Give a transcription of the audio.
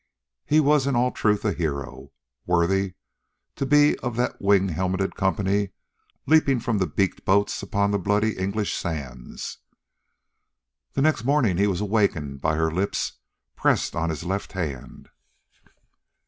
He was in all truth a hero, worthy to be of that wing helmeted company leaping from the beaked boats upon the bloody English sands. The next morning he was awakened by her lips pressed on his left hand.